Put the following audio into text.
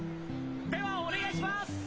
・ではお願いしまーす！